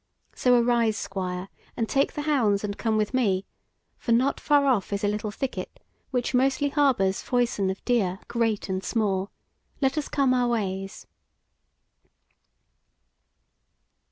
So arise, Squire, and take the hounds and come with me; for not far off is a little thicket which mostly harbours foison of deer, great and small. Let us come our ways."